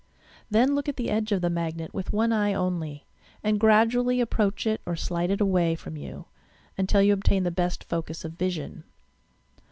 Then look at the edge of the magnet with one eye only and gradually approach it or slide it away from you, until you obtain the best focus of vision.